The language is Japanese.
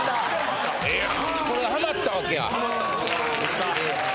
これはまったわけや。